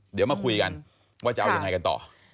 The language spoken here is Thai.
เดี๋ยวมาคุยกันว่าจะเอายังไงกันต่อ